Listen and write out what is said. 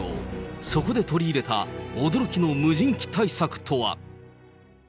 そこで取り入れた驚きの無人機対策とは。